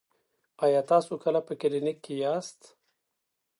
ایا تاسو کله په کلینیک کې یاست؟